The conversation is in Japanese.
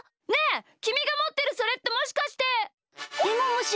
ねえきみがもってるそれってもしかして！